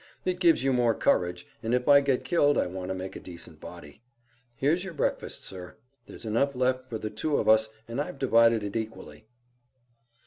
"It gives you more courage, and if I get killed I want to make a decent body. Here's your breakfast, sir. There's enough left for the two of us, and I've divided it equally."